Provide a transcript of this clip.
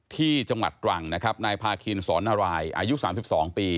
ที่จังหวัดตรังนะครับนายพาคินสอนนารายอายุ๓๒ปี